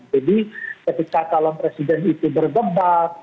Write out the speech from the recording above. jadi ketika talon presiden itu berdebat